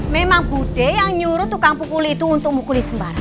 memang budi yang menyuruh tukang pukul itu untuk memukul sembara